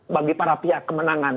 bagi para pihak kemenangan